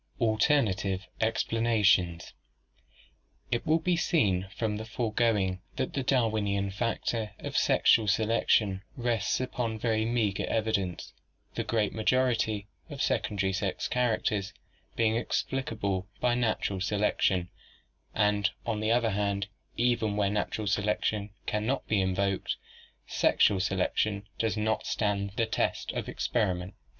Alternative Explanations. — It will be seen from the foregoing that the Darwinian factor of sexual selection rests upon very meager evidence, the great majority of secondary sex characters t being explicable by natural selection, and on the other hand even where natural selection can not be invoked, sexual selection does not stand the test of experiment.